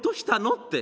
って。